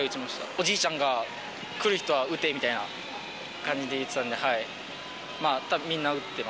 おじいちゃんが来る人は打てみたいな感じで言ってたんで。